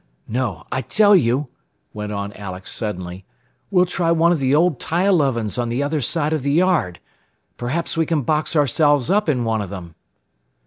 "No; I tell you," went on Alex suddenly. "We'll try one of the old tile ovens on the other side of the yard. Perhaps we can box ourselves up in one of them."